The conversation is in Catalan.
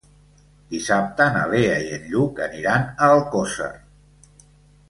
Dissabte na Lea i en Lluc aniran a Alcosser.